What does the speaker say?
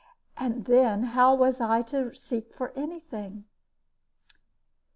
And then how was I to seek for any thing?